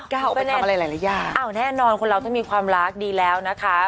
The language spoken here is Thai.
เอาไปทำอะไรหลายอย่างอ้าวแน่นอนคนเราถ้ามีความรักดีแล้วนะคะ